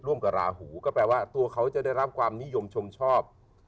ร่วมกับราหูก็แปลว่าตัวเขาจะได้รับความนิยมชมชอบ